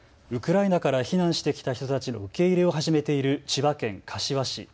ウクライナから避難してきた人たちの受け入れを始めている千葉県柏市。